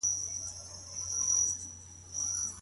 د قاسم، طاووس، ربيعه او نورو علماوو رحمهم الله هم دغه نظر وو.